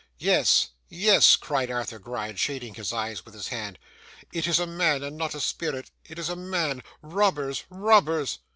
'Yes, yes,' cried Arthur Gride, shading his eyes with his hand, 'it is a man, and not a spirit. It is a man. Robbers! robbers!